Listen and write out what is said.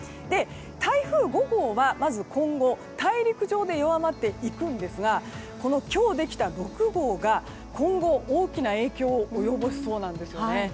台風５号はまず今後大陸上で弱まっていくんですが今日できた６号が今後、大きな影響を及ぼしそうなんですよね。